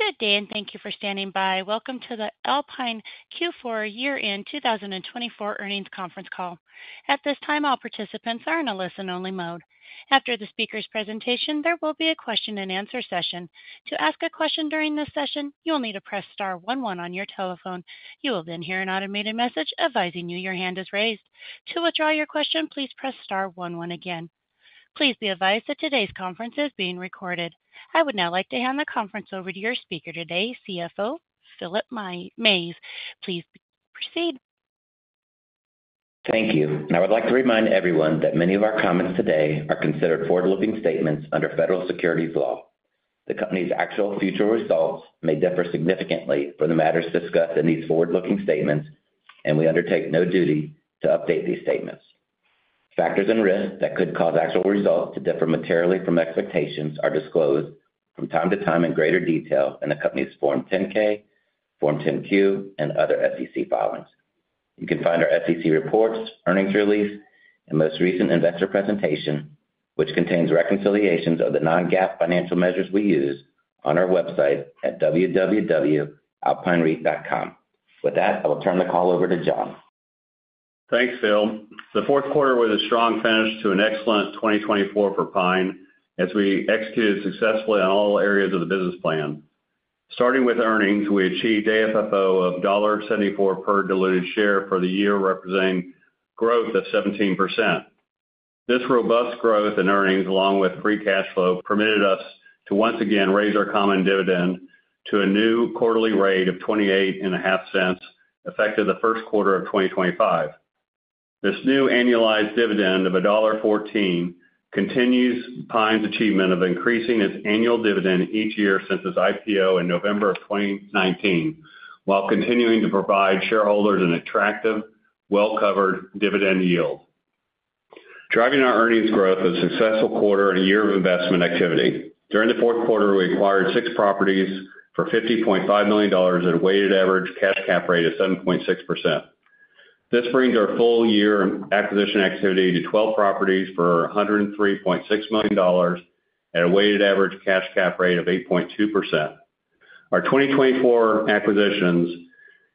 Good day, and thank you for standing by. Welcome to the Alpine Q4 Year-In 2024 earnings Conference call. At this time, all participants are in a listen-only mode. After the speaker's presentation, there will be a question-and-answer session. To ask a question during this session, you will need to press star 11 on your telephone. You will then hear an automated message advising you your hand is raised. To withdraw your question, please press star 11 again. Please be advised that today's conference is being recorded. I would now like to hand the conference over to your speaker today, CFO Philip Mays. Please proceed. Thank you. I would like to remind everyone that many of our comments today are considered forward-looking statements under federal securities law. The company's actual future results may differ significantly from the matters discussed in these forward-looking statements, and we undertake no duty to update these statements. Factors and risks that could cause actual results to differ materially from expectations are disclosed from time to time in greater detail in the company's Form 10-K, Form 10-Q, and other SEC filings. You can find our SEC reports, earnings release, and most recent investor presentation, which contains reconciliations of the non-GAAP financial measures we use, on our website at www.alpinerethe.com. With that, I will turn the call over to John. Thanks, Phil. The fourth quarter was a strong finish to an excellent 2024 for Pine, as we executed successfully on all areas of the business plan. Starting with earnings, we achieved AFFO of $1.74 per diluted share for the year, representing growth of 17%. This robust growth in earnings, along with free cash flow, permitted us to once again raise our common dividend to a new quarterly rate of $0.285 effective the first quarter of 2025. This new annualized dividend of $1.14 continues Pine's achievement of increasing its annual dividend each year since its IPO in November of 2019, while continuing to provide shareholders an attractive, well-covered dividend yield. Driving our earnings growth is a successful quarter and a year of investment activity. During the fourth quarter, we acquired six properties for $50.5 million at a weighted average cash cap rate of 7.6%. This brings our full year acquisition activity to 12 properties for $103.6 million at a weighted average cash cap rate of 8.2%. Our 2024 acquisitions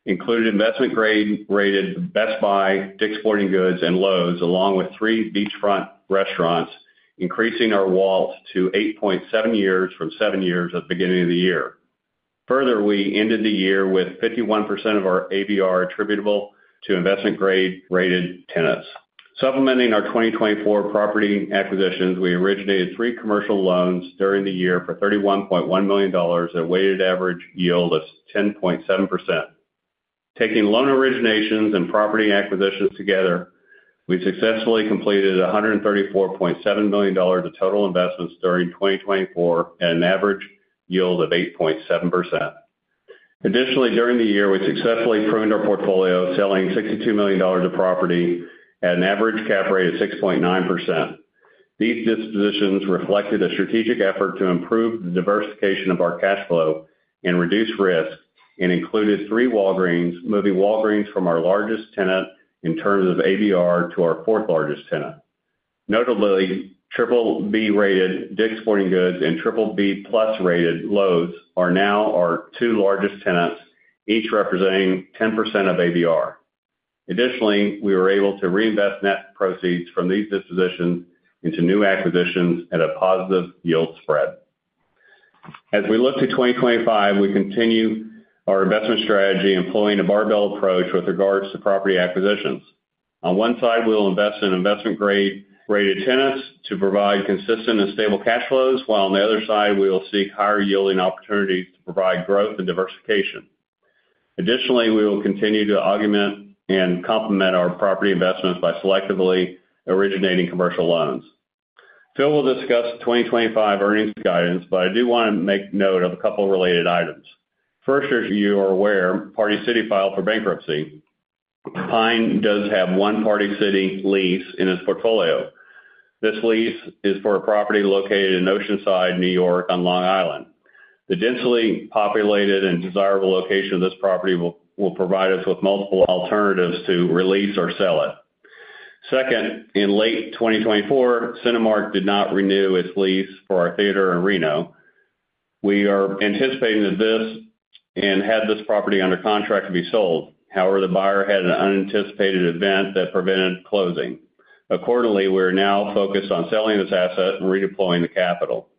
included investment-grade rated Best Buy, Dick's Sporting Goods, and Lowe's, along with three beachfront restaurants, increasing our WALT to 8.7 years from seven years at the beginning of the year. Further, we ended the year with 51% of our ABR attributable to investment-grade rated tenants. Supplementing our 2024 property acquisitions, we originated three commercial loans during the year for $31.1 million at a weighted average yield of 10.7%. Taking loan originations and property acquisitions together, we successfully completed $134.7 million of total investments during 2024 at an average yield of 8.7%. Additionally, during the year, we successfully pruned our portfolio, selling $62 million of property at an average cap rate of 6.9%. These dispositions reflected a strategic effort to improve the diversification of our cash flow and reduce risk and included three Walgreens, moving Walgreens from our largest tenant in terms of ABR to our fourth-largest tenant. Notably, triple B rated Dick's Sporting Goods and triple B plus rated Lowe's are now our two largest tenants, each representing 10% of ABR. Additionally, we were able to reinvest net proceeds from these dispositions into new acquisitions at a positive yield spread. As we look to 2025, we continue our investment strategy, employing a barbell approach with regards to property acquisitions. On one side, we will invest in investment-grade rated tenants to provide consistent and stable cash flows, while on the other side, we will seek higher yielding opportunities to provide growth and diversification. Additionally, we will continue to augment and complement our property investments by selectively originating commercial loans. Phil will discuss the 2025 earnings guidance, but I do want to make note of a couple of related items. First, as you are aware, Party City filed for bankruptcy. PINE does have one Party City lease in its portfolio. This lease is for a property located in Oceanside, New York, on Long Island. The densely populated and desirable location of this property will provide us with multiple alternatives to release or sell it. Second, in late 2024, Cinemark did not renew its lease for our theater in Reno. We are anticipating that this and had this property under contract to be sold. However, the buyer had an unanticipated event that prevented closing. Accordingly, we are now focused on selling this asset and redeploying the capital.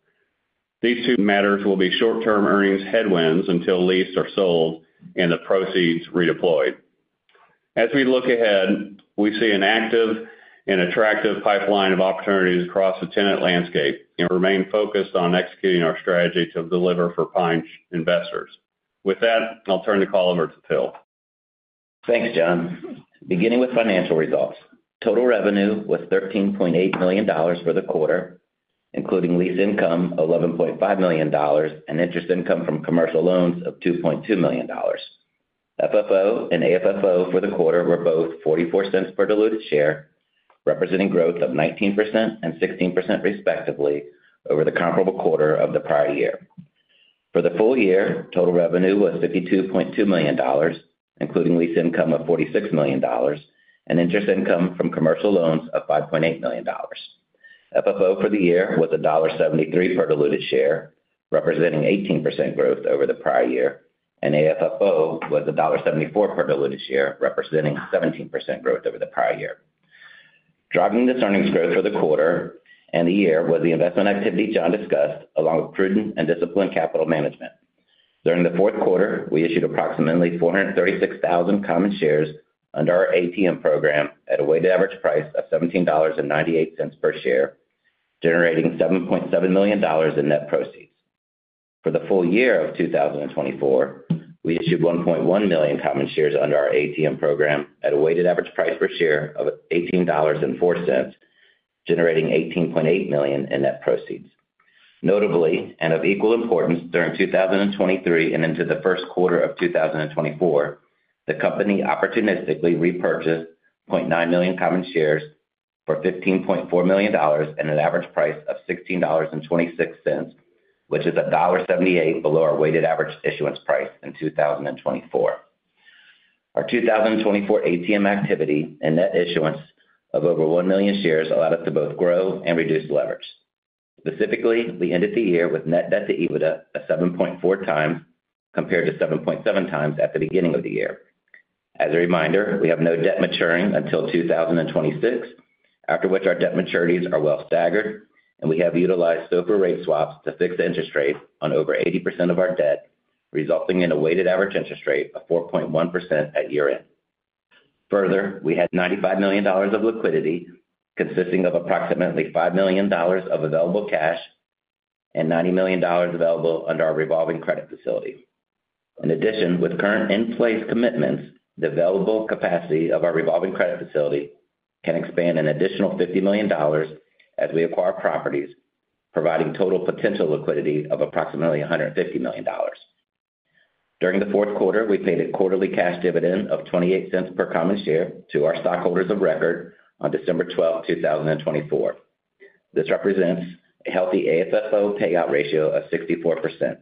These two matters will be short-term earnings headwinds until lease are sold and the proceeds redeployed. As we look ahead, we see an active and attractive pipeline of opportunities across the tenant landscape and remain focused on executing our strategy to deliver for PINE investors. With that, I'll turn the call over to Phil. Thanks, John. Beginning with financial results, total revenue was $13.8 million for the quarter, including lease income of $11.5 million and interest income from commercial loans of $2.2 million. FFO and AFFO for the quarter were both $0.44 per diluted share, representing growth of 19% and 16% respectively over the comparable quarter of the prior year. For the full year, total revenue was $52.2 million, including lease income of $46 million and interest income from commercial loans of $5.8 million. FFO for the year was $1.73 per diluted share, representing 18% growth over the prior year, and AFFO was $1.74 per diluted share, representing 17% growth over the prior year. Driving this earnings growth for the quarter and the year was the investment activity John discussed, along with prudent and disciplined capital management. During the fourth quarter, we issued approximately 436,000 common shares under our ATM program at a weighted average price of $17.98 per share, generating $7.7 million in net proceeds. For the full year of 2024, we issued 1.1 million common shares under our ATM program at a weighted average price per share of $18.04, generating $18.8 million in net proceeds. Notably, and of equal importance, during 2023 and into the first quarter of 2024, the company opportunistically repurchased 0.9 million common shares for $15.4 million at an average price of $16.26, which is $1.78 below our weighted average issuance price in 2024. Our 2024 ATM activity and net issuance of over 1 million shares allowed us to both grow and reduce leverage. Specifically, we ended the year with net debt to EBITDA of 7.4x compared to 7.7x at the beginning of the year. As a reminder, we have no debt maturing until 2026, after which our debt maturities are well staggered, and we have utilized SOFR rate swaps to fix interest rates on over 80% of our debt, resulting in a weighted average interest rate of 4.1% at year-end. Further, we had $95 million of liquidity, consisting of approximately $5 million of available cash and $90 million available under our revolving credit facility. In addition, with current in-place commitments, the available capacity of our revolving credit facility can expand an additional $50 million as we acquire properties, providing total potential liquidity of approximately $150 million. During the fourth quarter, we paid a quarterly cash dividend of $0.28 per common share to our stockholders of record on December 12, 2024. This represents a healthy AFFO payout ratio of 64%.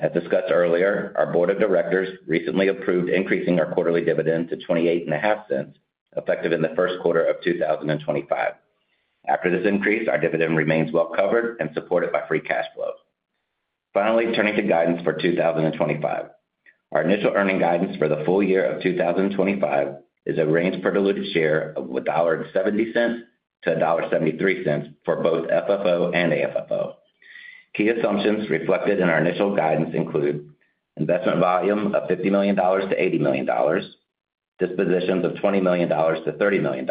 As discussed earlier, our board of directors recently approved increasing our quarterly dividend to $0.285 effective in the first quarter of 2025. After this increase, our dividend remains well covered and supported by free cash flow. Finally, turning to guidance for 2025, our initial earning guidance for the full year of 2025 is a range per diluted share of $1.70-$1.73 for both FFO and AFFO. Key assumptions reflected in our initial guidance include investment volume of $50 million-$80 million, dispositions of $20 million-$30 million,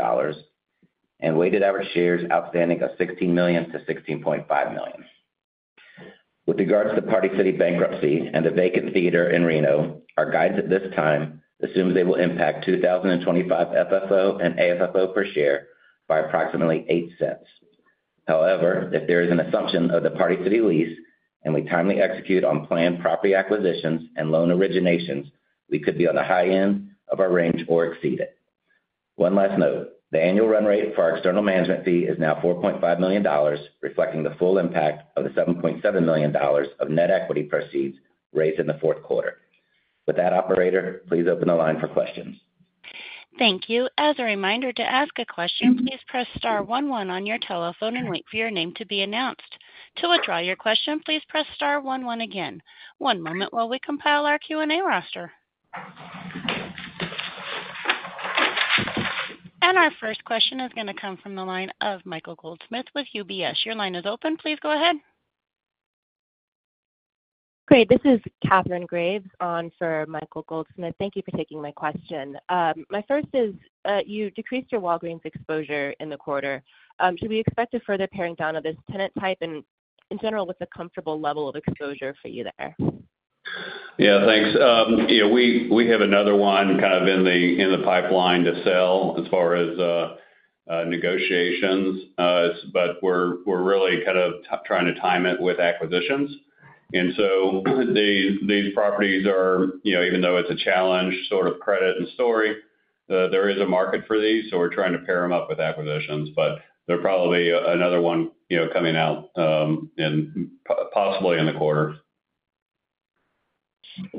and weighted average shares outstanding of 16 million-16.5 million. With regards to Party City bankruptcy and the vacant theater in Reno, our guidance at this time assumes they will impact 2025 FFO and AFFO per share by approximately $0.08. However, if there is an assumption of the Party City lease and we timely execute on planned property acquisitions and loan originations, we could be on the high end of our range or exceed it. One last note, the annual run rate for our external management fee is now $4.5 million, reflecting the full impact of the $7.7 million of net equity proceeds raised in the fourth quarter. With that, operator, please open the line for questions. Thank you. As a reminder, to ask a question, please press star 11 on your telephone and wait for your name to be announced. To withdraw your question, please press star 11 again. One moment while we compile our Q&A roster. Our first question is going to come from the line of Michael Goldsmith with UBS. Your line is open. Please go ahead. Great. This is Catherine Graves on for Michael Goldsmith. Thank you for taking my question. My first is you decreased your Walgreens exposure in the quarter. Should we expect a further paring down of this tenant type and, in general, what's a comfortable level of exposure for you there? Yeah, thanks. We have another one kind of in the pipeline to sell as far as negotiations, but we're really kind of trying to time it with acquisitions. These properties are, even though it's a challenge sort of credit and story, there is a market for these, so we're trying to pair them up with acquisitions. There'll probably be another one coming out possibly in the quarter.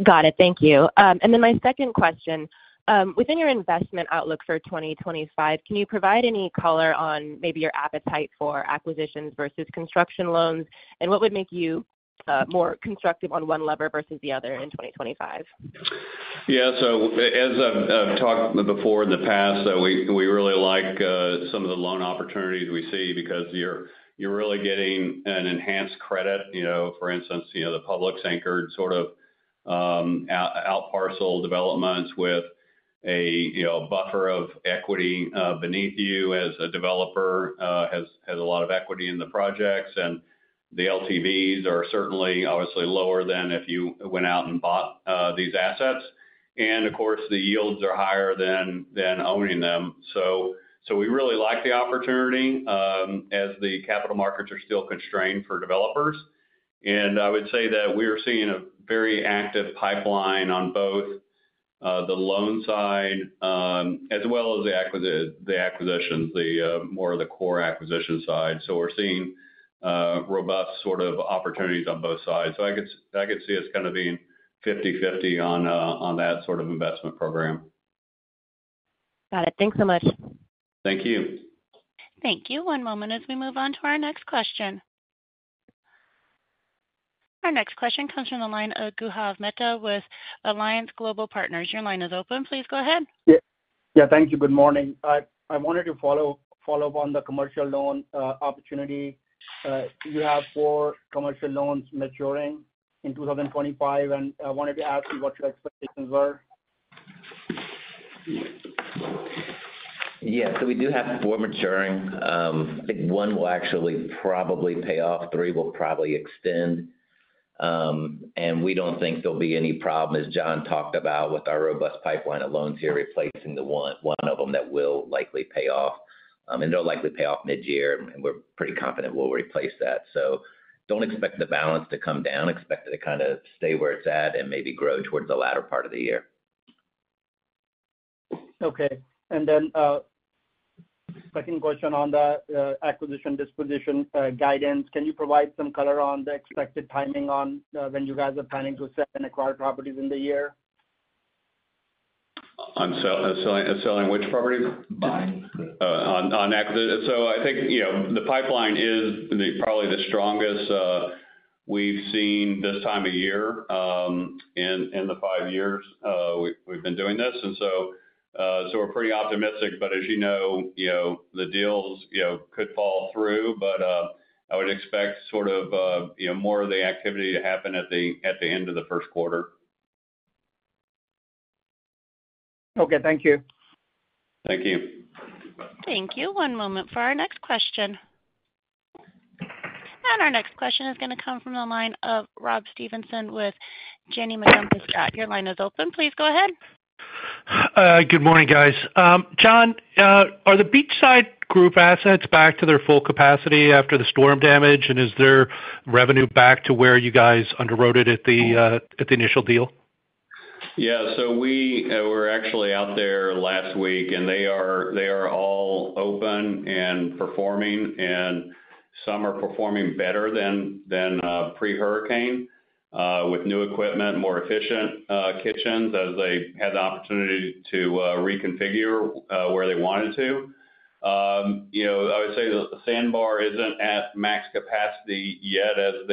Got it. Thank you. My second question, within your investment outlook for 2025, can you provide any color on maybe your appetite for acquisitions versus construction loans? What would make you more constructive on one lever versus the other in 2025? Yeah. As I've talked before in the past, we really like some of the loan opportunities we see because you're really getting an enhanced credit. For instance, the Publix-anchored sort of outparcel developments with a buffer of equity beneath you as a developer has a lot of equity in the projects. The LTVs are certainly obviously lower than if you went out and bought these assets. Of course, the yields are higher than owning them. We really like the opportunity as the capital markets are still constrained for developers. I would say that we are seeing a very active pipeline on both the loan side as well as the acquisitions, the more of the core acquisition side. We are seeing robust sort of opportunities on both sides. I could see us kind of being 50/50 on that sort of investment program. Got it. Thanks so much. Thank you. Thank you. One moment as we move on to our next question. Our next question comes from the line of Guha Mehta with Alliance Global Partners. Your line is open. Please go ahead. Yeah. Thank you. Good morning. I wanted to follow up on the commercial loan opportunity. You have four commercial loans maturing in 2025, and I wanted to ask you what your expectations were. Yeah. We do have four maturing. I think one will actually probably pay off. Three will probably extend. We do not think there will be any problem, as John talked about, with our robust pipeline of loans here replacing the one of them that will likely pay off. They will likely pay off mid-year, and we are pretty confident we will replace that. Do not expect the balance to come down. Expect it to kind of stay where it is at and maybe grow towards the latter part of the year. Okay. Second question on the acquisition disposition guidance, can you provide some color on the expected timing on when you guys are planning to sell and acquire properties in the year? On selling which properties? Buying. On acquisition. I think the pipeline is probably the strongest we've seen this time of year in the five years we've been doing this. We are pretty optimistic. As you know, the deals could fall through, but I would expect more of the activity to happen at the end of the first quarter. Okay. Thank you. Thank you. Thank you. One moment for our next question. Our next question is going to come from the line of Rob Stevenson with Janney Montgomery Scott. Your line is open. Please go ahead. Good morning, guys. John, are the Beachside Group assets back to their full capacity after the storm damage, and is their revenue back to where you guys underwrote it at the initial deal? Yeah. We were actually out there last week, and they are all open and performing, and some are performing better than pre-hurricane with new equipment, more efficient kitchens as they had the opportunity to reconfigure where they wanted to. I would say the sandbar isn't at max capacity yet as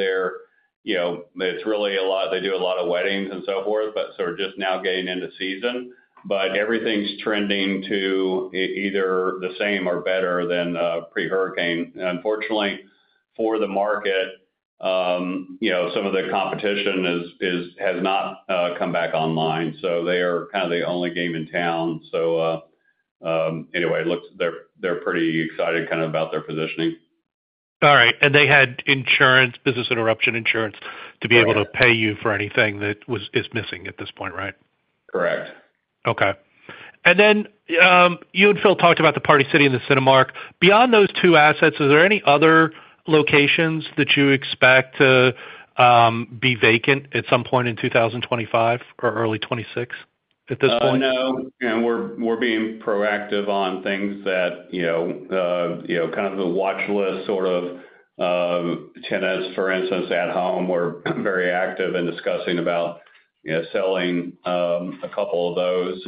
they do a lot of weddings and so forth, but we are just now getting into season. Everything is trending to either the same or better than pre-hurricane. Unfortunately, for the market, some of the competition has not come back online. They are kind of the only game in town. They are pretty excited about their positioning. All right. They had insurance, business interruption insurance, to be able to pay you for anything that is missing at this point, right? Correct. Okay. You and Phil talked about the Party City and the Cinemark. Beyond those two assets, are there any other locations that you expect to be vacant at some point in 2025 or early 2026 at this point? No. We're being proactive on things that are kind of the watch list sort of tenants, for instance, At Home. We're very active in discussing about selling a couple of those.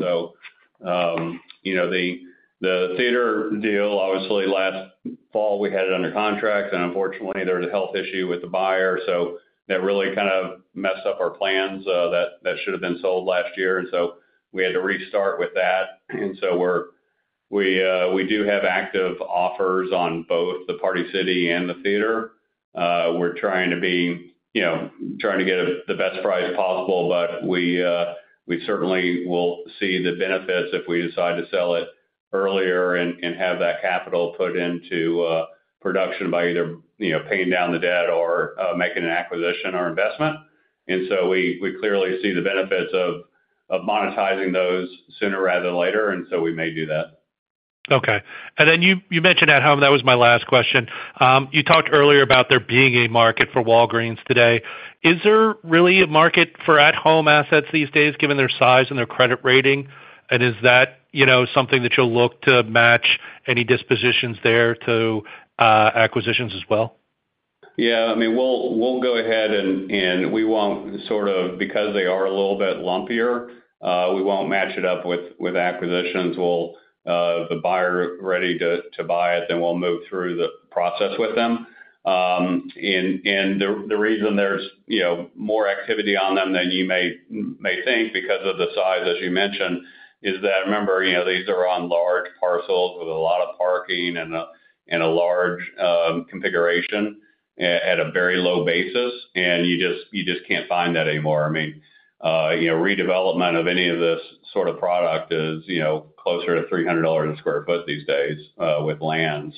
The theater deal, obviously, last fall, we had it under contract, and unfortunately, there was a health issue with the buyer. That really kind of messed up our plans. That should have been sold last year. We had to restart with that. We do have active offers on both the Party City and the theater. We're trying to get the best price possible, but we certainly will see the benefits if we decide to sell it earlier and have that capital put into production by either paying down the debt or making an acquisition or investment. We clearly see the benefits of monetizing those sooner rather than later. We may do that. Okay. You mentioned At Home. That was my last question. You talked earlier about there being a market for Walgreens today. Is there really a market for At Home assets these days given their size and their credit rating? Is that something that you'll look to match any dispositions there to acquisitions as well? Yeah. I mean, we'll go ahead and we won't sort of, because they are a little bit lumpier, we won't match it up with acquisitions. The buyer is ready to buy it, then we'll move through the process with them. The reason there's more activity on them than you may think because of the size, as you mentioned, is that, remember, these are on large parcels with a lot of parking and a large configuration at a very low basis, and you just can't find that anymore. I mean, redevelopment of any of this sort of product is closer to $300 a sq ft these days with land.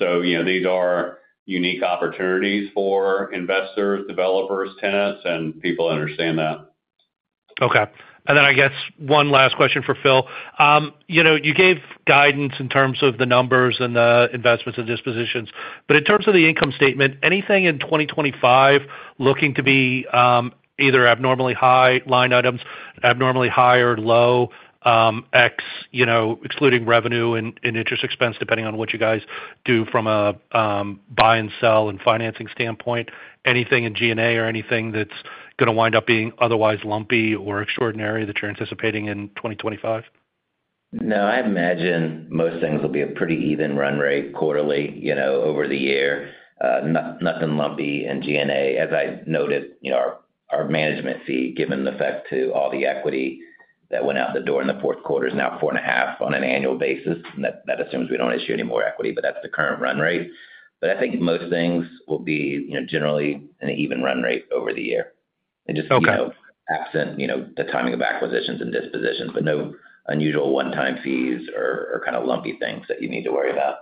These are unique opportunities for investors, developers, tenants, and people understand that. Okay. I guess one last question for Phil. You gave guidance in terms of the numbers and the investments and dispositions. In terms of the income statement, anything in 2025 looking to be either abnormally high line items, abnormally high or low, excluding revenue and interest expense, depending on what you guys do from a buy and sell and financing standpoint? Anything in G&A or anything that's going to wind up being otherwise lumpy or extraordinary that you're anticipating in 2025? No. I imagine most things will be a pretty even run rate quarterly over the year. Nothing lumpy in G&A. As I noted, our management fee, given the effect to all the equity that went out the door in the fourth quarter, is now four and a half on an annual basis. That assumes we don't issue any more equity, but that's the current run rate. I think most things will be generally an even run rate over the year. It just absent the timing of acquisitions and dispositions, no unusual one-time fees or kind of lumpy things that you need to worry about.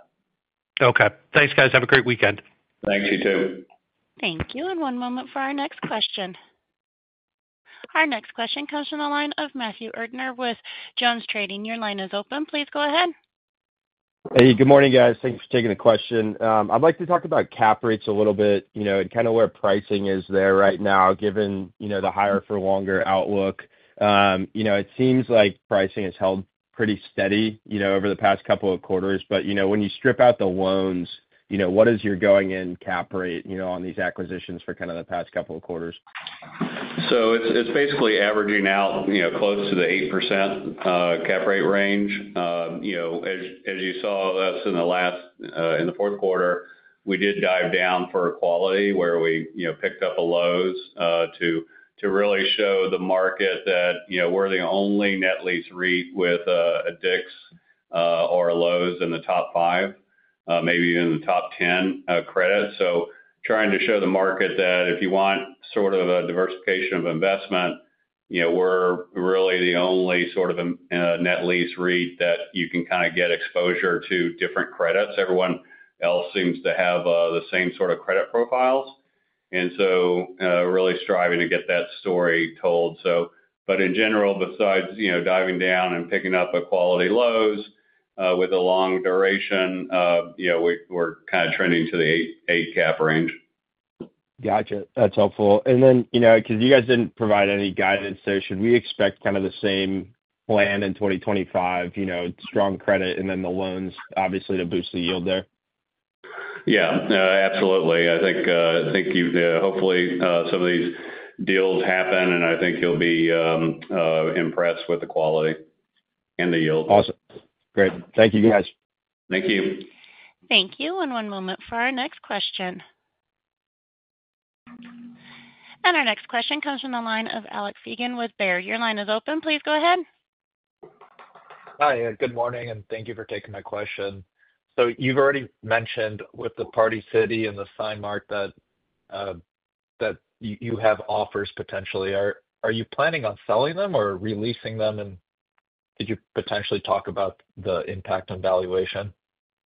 Okay. Thanks, guys. Have a great weekend. Thanks. You too. Thank you. One moment for our next question. Our next question comes from the line of Matthew Erdner with Jones Trading. Your line is open. Please go ahead. Hey. Good morning, guys. Thanks for taking the question. I'd like to talk about cap rates a little bit and kind of where pricing is there right now, given the higher for longer outlook. It seems like pricing has held pretty steady over the past couple of quarters. When you strip out the loans, what is your going-in cap rate on these acquisitions for kind of the past couple of quarters? It's basically averaging out close to the 8% cap rate range. As you saw us in the last in the fourth quarter, we did dive down for quality where we picked up a Lowe's to really show the market that we're the only net lease REIT with a Dick's or a Lowe's in the top five, maybe even the top 10 credit. Trying to show the market that if you want sort of a diversification of investment, we're really the only sort of net lease REIT that you can kind of get exposure to different credits. Everyone else seems to have the same sort of credit profiles. Really striving to get that story told. In general, besides diving down and picking up a quality Lowe's with a long duration, we're kind of trending to the 8% cap range. Gotcha. That's helpful. Because you guys didn't provide any guidance there, should we expect kind of the same plan in 2025, strong credit, and then the loans, obviously, to boost the yield there? Yeah. Absolutely. I think hopefully some of these deals happen, and I think you'll be impressed with the quality and the yield. Awesome. Great. Thank you, guys. Thank you. Thank you. One moment for our next question. Our next question comes from the line of Alec Fegan with Bayer. Your line is open. Please go ahead. Hi. Good morning, and thank you for taking my question. You have already mentioned with the Party City and the Cinemark that you have offers potentially. Are you planning on selling them or releasing them? Could you potentially talk about the impact on valuation?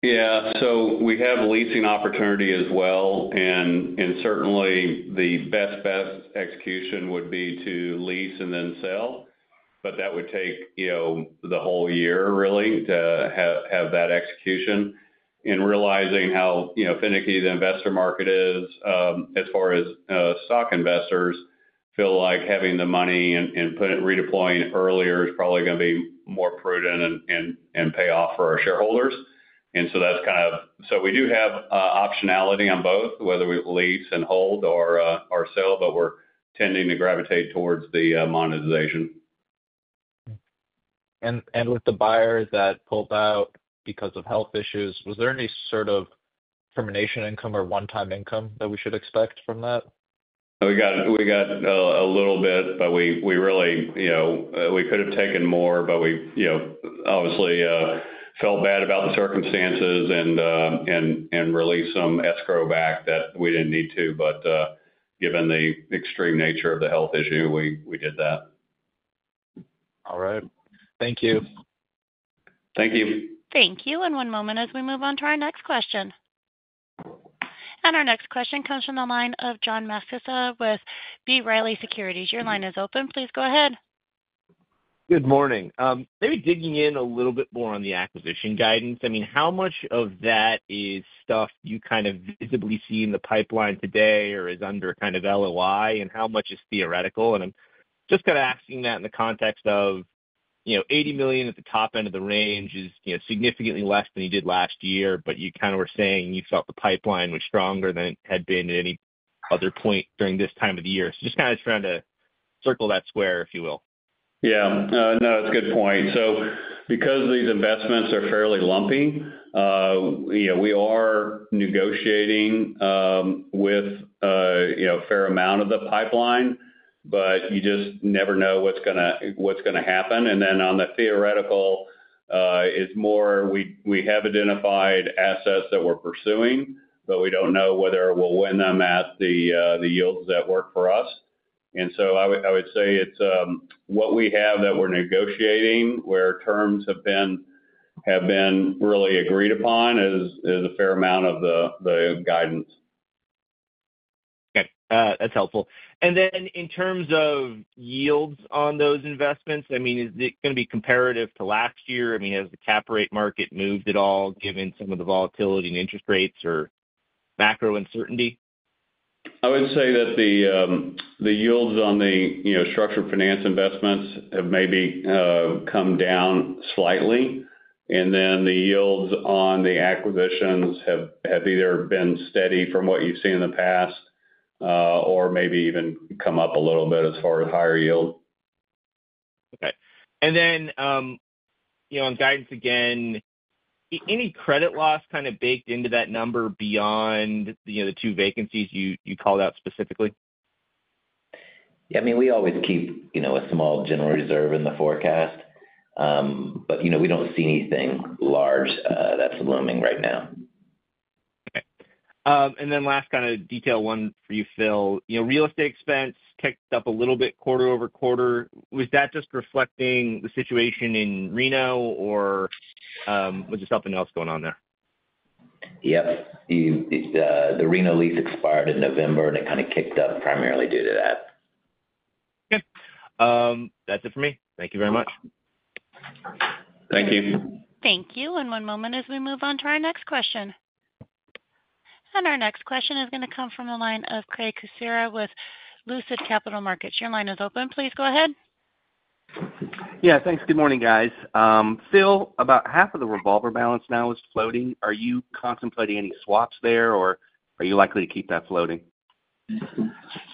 Yeah. We have leasing opportunity as well. Certainly, the best-best execution would be to lease and then sell. That would take the whole year, really, to have that execution. Realizing how finicky the investor market is as far as stock investors feel, having the money and redeploying earlier is probably going to be more prudent and pay off for our shareholders. That is kind of so we do have optionality on both, whether we lease and hold or sell, but we're tending to gravitate towards the monetization. With the buyers that pulled out because of health issues, was there any sort of termination income or one-time income that we should expect from that? We got a little bit, but we really could have taken more, but we obviously felt bad about the circumstances and released some escrow back that we did not need to. Given the extreme nature of the health issue, we did that. All right. Thank you. Thank you. Thank you. One moment as we move on to our next question. Our next question comes from the line of John Massocca with B. Riley Securities. Your line is open. Please go ahead. Good morning. Maybe digging in a little bit more on the acquisition guidance. I mean, how much of that is stuff you kind of visibly see in the pipeline today or is under kind of LOI, and how much is theoretical? I am just kind of asking that in the context of $80 million at the top end of the range is significantly less than you did last year, but you kind of were saying you felt the pipeline was stronger than it had been at any other point during this time of the year. Just kind of trying to circle that square, if you will. Yeah. No, that's a good point. Because these investments are fairly lumpy, we are negotiating with a fair amount of the pipeline, but you just never know what's going to happen. On the theoretical, it's more we have identified assets that we're pursuing, but we don't know whether we'll win them at the yields that work for us. I would say it's what we have that we're negotiating, where terms have been really agreed upon, is a fair amount of the guidance. Okay. That's helpful. In terms of yields on those investments, I mean, is it going to be comparative to last year? I mean, has the cap rate market moved at all given some of the volatility in interest rates or macro uncertainty? I would say that the yields on the structured finance investments have maybe come down slightly. The yields on the acquisitions have either been steady from what you've seen in the past or maybe even come up a little bit as far as higher yield. Okay. On guidance again, any credit loss kind of baked into that number beyond the two vacancies you called out specifically? Yeah. I mean, we always keep a small general reserve in the forecast, but we don't see anything large that's looming right now. Okay. Last kind of detail one for you, Phil. Real estate expense kicked up a little bit quarter-over-quarter. Was that just reflecting the situation in Reno, or was there something else going on there? Yep. The Reno lease expired in November, and it kind of kicked up primarily due to that. Okay. That's it for me. Thank you very much. Thank you. Thank you. One moment as we move on to our next question. Our next question is going to come from the line of Craig Kucera with Lucid Capital Markets. Your line is open. Please go ahead. Yeah. Thanks. Good morning, guys. Phil, about half of the revolver balance now is floating. Are you contemplating any swaps there, or are you likely to keep that floating? Yeah.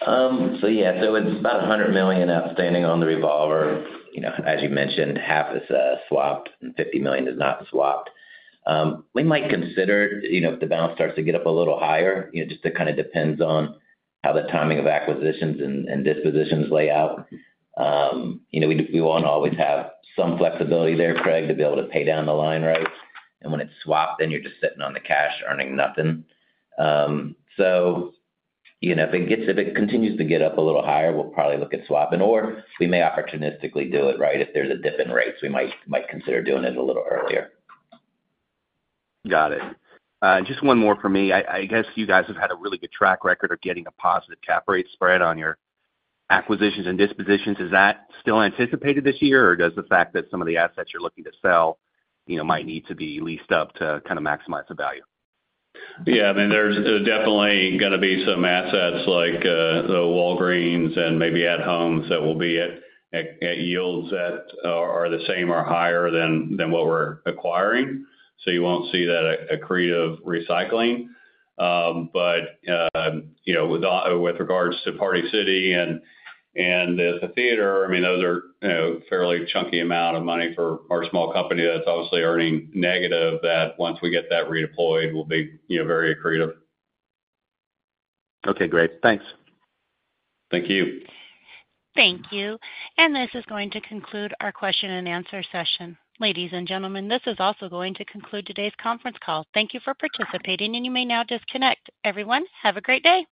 It is about $100 million outstanding on the revolver. As you mentioned, half is swapped and $50 million is not swapped. We might consider if the balance starts to get up a little higher. It just kind of depends on how the timing of acquisitions and dispositions lay out. We want to always have some flexibility there, Craig, to be able to pay down the line rate. When it is swapped, then you are just sitting on the cash earning nothing. If it continues to get up a little higher, we will probably look at swapping. We may opportunistically do it, right? If there is a dip in rates, we might consider doing it a little earlier. Got it. Just one more for me. I guess you guys have had a really good track record of getting a positive cap rate spread on your acquisitions and dispositions. Is that still anticipated this year, or does the fact that some of the assets you're looking to sell might need to be leased up to kind of maximize the value? Yeah. I mean, there's definitely going to be some assets like the Walgreens and maybe At Home that will be at yields that are the same or higher than what we're acquiring. You won't see that accretive recycling. With regards to Party City and the theater, I mean, those are a fairly chunky amount of money for our small company that's obviously earning negative that once we get that redeployed, will be very accretive. Okay. Great. Thanks. Thank you. Thank you. This is going to conclude our question and answer session. Ladies and gentlemen, this is also going to conclude today's conference call. Thank you for participating, and you may now disconnect. Everyone, have a great day.